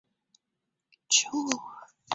沼生马先蒿沼生是列当科马先蒿属的植物。